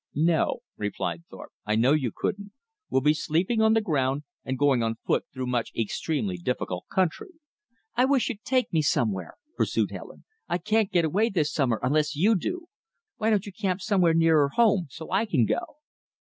"No," replied Thorpe. "I know you couldn't. We'll be sleeping on the ground and going on foot through much extremely difficult country." "I wish you'd take me somewhere," pursued Helen. "I can't get away this summer unless you do. Why don't you camp somewhere nearer home, so I can go?"